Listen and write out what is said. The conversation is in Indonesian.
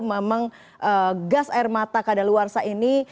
memang gas air mata keadaan luar ini